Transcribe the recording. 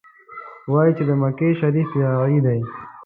وايي چې د مکې شریف یاغي دی.